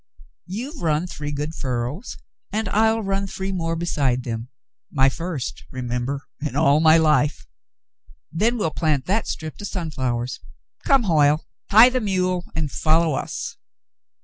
You've run three good furrows and I'll run three more beside them — my first, remember, in all my life. Then we'll plant that strip to sunflowers. Come, Hoyle, tie the mule and follow us."